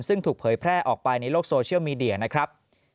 ซึ่งถูกเผยแพร่ออกไปในโลกโซเชียลมีเดียนะครับ